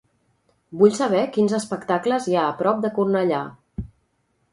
Vull saber quins espectacles hi ha a prop de Cornellà.